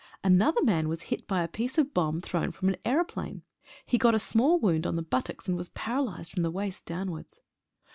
Another man was hit by a piece of a bomb thrown from an aeroplane. He got a small wound on the buttocks, and was paralysed from the waist downwards.